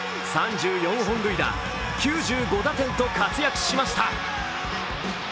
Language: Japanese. ３４本塁打９５打点と活躍しました。